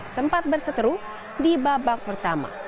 sempat berseteru di babak pertama